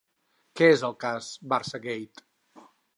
Què és el cas ‘Barçagate’?